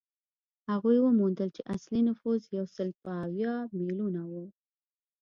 هغوی وموندل چې اصلي نفوس یو سل یو اویا میلیونه و